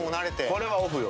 これはオフよ。